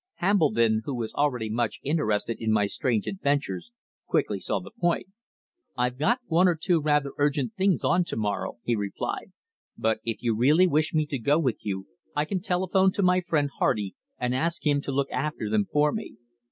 Hambledon, who was already much interested in my strange adventures, quickly saw the point. "I've got one or two rather urgent things on to morrow," he replied. "But if you really wish me to go with you I can telephone to my friend Hardy and ask him to look after them for me.